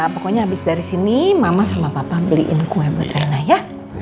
pokoknya habis dari sini mama sama papa beliin kue buat anak ya